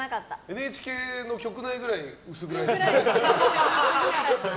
ＮＨＫの局内ぐらい薄暗いですよね。